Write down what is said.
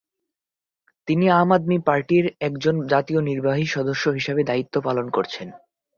তিনি আম আদমি পার্টি এর একজন জাতীয় নির্বাহী সদস্য হিসেবে দায়িত্ব পালন করছেন।